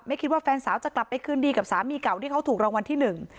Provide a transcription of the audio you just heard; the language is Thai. คิดว่าแฟนสาวจะกลับไปคืนดีกับสามีเก่าที่เขาถูกรางวัลที่หนึ่ง